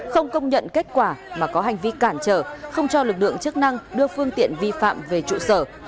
không công nhận kết quả mà có hành vi cản trở không cho lực lượng chức năng đưa phương tiện vi phạm về trụ sở